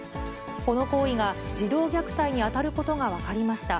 この行為が児童虐待に当たることが分かりました。